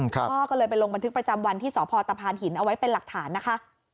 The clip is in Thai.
พ่อก็เลยไปลงบันทึกประจำวันที่สพตะพานหินเอาไว้เป็นหลักฐานนะคะ